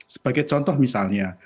sebagai contoh misalnya